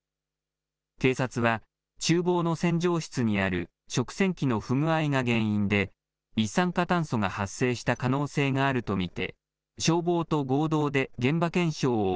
警察は、ちゅう房の洗浄室にある食洗器の不具合が原因で、一酸化炭素が発生した可能性があると見て消防と合同で現場検証を